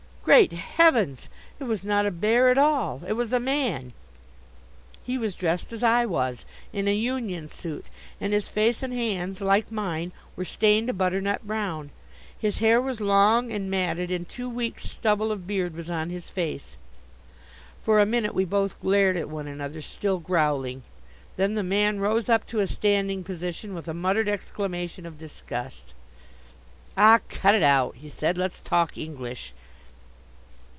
Great heavens! It was not a bear at all. It was a man. He was dressed, as I was, in a union suit, and his face and hands, like mine, were stained a butternut brown. His hair was long and matted and two weeks' stubble of beard was on his face. For a minute we both glared at one another, still growling. Then the man rose up to a standing position with a muttered exclamation of disgust. "Ah, cut it out," he said. "Let's talk English."